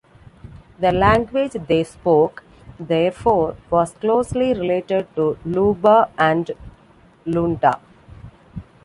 The language they spoke, therefore, was closely related to Luba and Lunda.